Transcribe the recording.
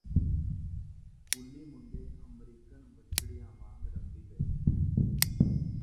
ਸਕੂਲੀ ਮੁੰਡੇ ਅਮਰੀਕਨ ਵਛੜਿਆਂ ਵਾਂਗ ਰੰਭੀ ਗਏ